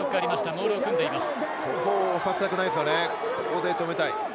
モールを組んでいます。